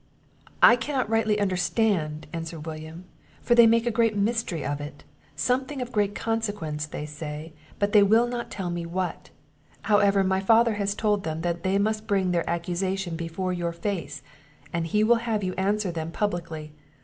"I cannot rightly understand," answered William, "for they make a great mystery of it; something of great consequence, they say; but they will not tell me what: However, my father has told them that they must bring their accusation before your face, and he will have you answer them publicly.